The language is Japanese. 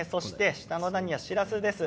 下の段にはしらすです。